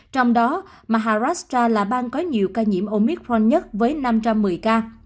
trong đó maharashtra là bang có nhiều ca nhiễm omicron nhất với năm trăm một mươi ca